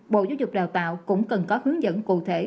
bộ giáo dục đào tạo cũng cần có hướng dẫn cụ thể